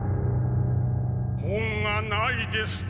本がないですと？